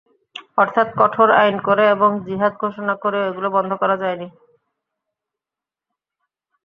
অর্থাৎ, কঠোর আইন করে এবং জিহাদ ঘোষণা করেও এগুলো বন্ধ করা যায়নি।